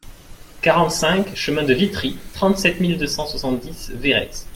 quarante-cinq chemin de Vitrie, trente-sept mille deux cent soixante-dix Véretz